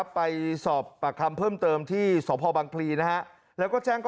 ใช่ครับเขาต่อยก่อนแต่ต่อยไม่ถูกแล้วก็สวนไป